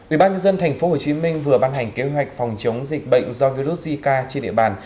ubnd tp hcm vừa ban hành kế hoạch phòng chống dịch bệnh do virus zika trên địa bàn